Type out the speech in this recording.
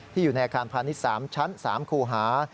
อยู่ในอาคารพาณิชย์๓ชั้น๓คูหา